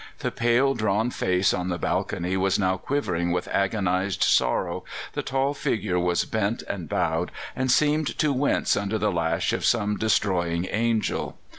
The pale, drawn face on the balcony was now quivering with agonized sorrow; the tall figure was bent and bowed, and seemed to wince under the lash of some destroying angel.